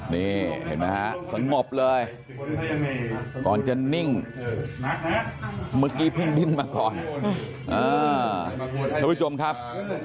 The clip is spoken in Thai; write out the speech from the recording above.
นี่เห็นไหมฮะสงบเลยก่อนจะนิ่งเมื่อกี้เพิ่งดิ้นมาก่อนท่านผู้ชมครับ